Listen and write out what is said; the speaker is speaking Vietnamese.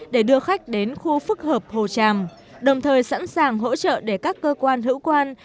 để đưa khách đến khu phức hợp hồ tràm đồng thời sẵn sàng hỗ trợ để các cơ quan hữu quan